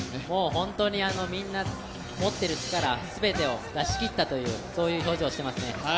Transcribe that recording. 本当にみんな持ってる力全てを出し切ったという表情をしていますね。